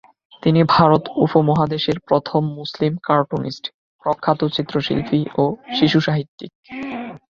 তিনি ভারত উপমহাদেশের প্রথম মুসলিম কার্টুনিস্ট, প্রখ্যাত চিত্রশিল্পী ও শিশুসাহিত্যিক।